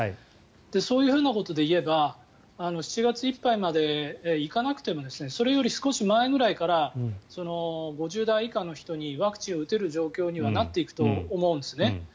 そういうことで言えば７月いっぱいまでいかなくてもそれより少し前ぐらいから５０代以下の人にワクチンを打てる状況にはなっていくと思うんですね。